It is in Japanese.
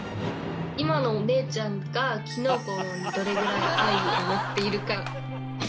今のお姉ちゃんがきのこにどれぐらい愛を持っているか。